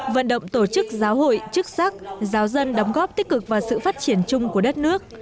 vận động tổ chức giáo hội chức sắc giáo dân đóng góp tích cực vào sự phát triển chung của đất nước